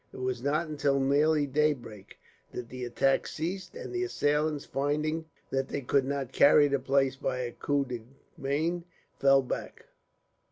It was not until nearly daybreak that the attack ceased, and the assailants, finding that they could not carry the place by a coup de main, fell back.